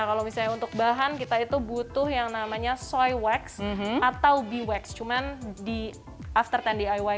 kalau misalnya untuk bahan kita itu butuh yang namanya soy wax atau bwx cuman di after sepuluh diy